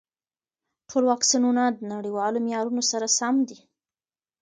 ټول واکسینونه د نړیوالو معیارونو سره سم دي.